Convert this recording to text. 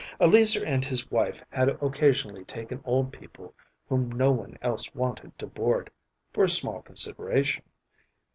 Eleazer and his wife had occasionally taken old people whom no one else wanted to board, for a small consideration.